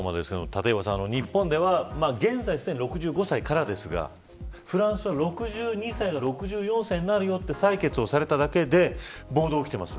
立岩さん、日本では現在すでに６５歳からですがフランスは６２歳が６４歳になると採決されただけで暴動が起きています。